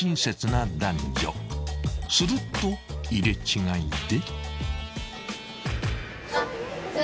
［すると入れ違いで］